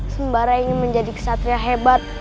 sembara ingin menjadi kesatria hebat